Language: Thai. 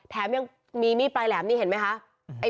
แถมยังมีมีดปลายแหลมนี่เห็นไหมคะ